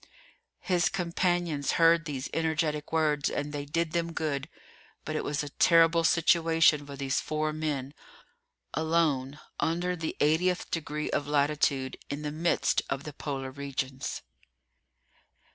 His companions heard these energetic words, and they did them good; but it was a terrible situation for these four men, alone, under the 80th degree of latitude, in the midst of the Polar Regions!